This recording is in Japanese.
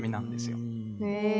へえ！